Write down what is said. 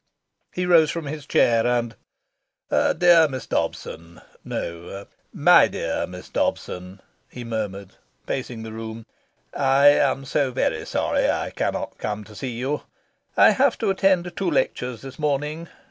He rose from his chair, and "Dear Miss Dobson no, MY dear Miss Dobson," he murmured, pacing the room, "I am so very sorry I cannot come to see you: I have to attend two lectures this morning.